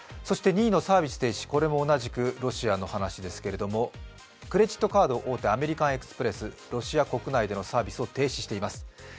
２位のサービス停止も同じくロシアの話ですけれども、クレジットカード大手、アメリカン・エキスプレス、ロシア国内でのサービスを停止しています。